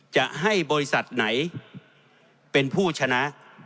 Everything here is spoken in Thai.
จะให้บริษัทไหนเป็นผู้ชนะ